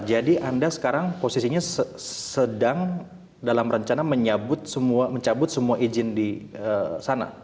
jadi anda sekarang posisinya sedang dalam rencana mencabut semua izin di sana